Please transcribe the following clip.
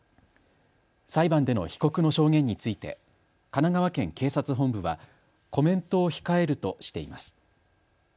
裁判での被告の証言について神奈川県警察本部はコメントを控えるとしています。